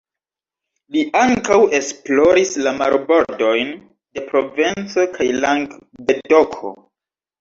Li ankaŭ esploris la marbordojn de Provenco kaj Langvedoko.